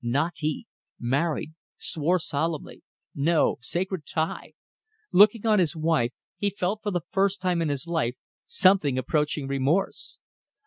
Not he! Married. ... Swore solemnly. No ... sacred tie. ... Looking on his wife, he felt for the first time in his life something approaching remorse.